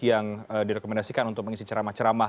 yang direkomendasikan untuk mengisi cerama cerama